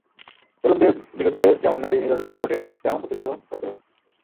তরুণদের বিরুদ্ধে যেমন নারী নির্যাতনের অভিযোগ ওঠে, তেমন প্রতিরোধও করে তরুণেরা।